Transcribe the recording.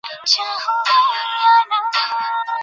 যদি স্বর্গ বলিয়া কিছু থাকে, তবে তাহা এখনই এবং এইখানেই বর্তমান।